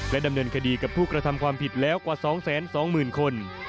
ดำเนินคดีกับผู้กระทำความผิดแล้วกว่า๒๒๐๐๐คน